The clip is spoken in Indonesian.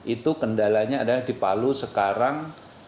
itu kendalanya adalah di palu sekarang